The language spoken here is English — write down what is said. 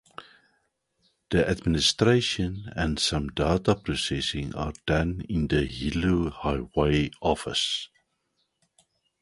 The administration and some data processing are done in the Hilo, Hawaii office.